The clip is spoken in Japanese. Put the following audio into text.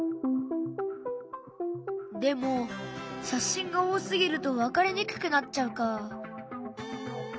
でも写真が多すぎると分かりにくくなっちゃうか。